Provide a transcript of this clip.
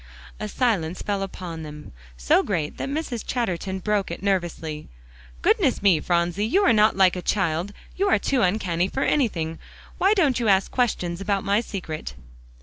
A silence fell upon them, so great that Mrs. Chatterton broke it nervously. "Goodness me, Phronsie, you are not like a child; you are too uncanny for anything. Why don't you ask questions about my secret?"